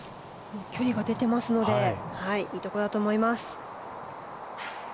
距離が出てますのでいいところだと思います。